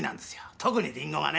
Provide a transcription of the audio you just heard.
特にリンゴがね。